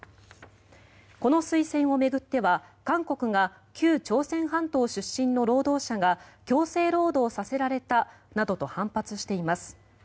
この推薦を巡っては韓国が旧朝鮮半島出身の労働者が強制労働させられたなどと反発しています。